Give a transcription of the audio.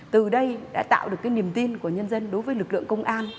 từ đây đã tạo được cái niềm tin của nhân dân đối với lực lượng công an